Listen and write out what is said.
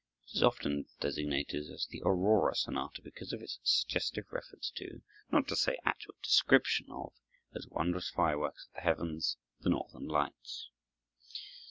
It is often designated as the "Aurora Sonata," because of its suggestive reference to, not to say actual description of, those wondrous fireworks of the heavens, the northern lights.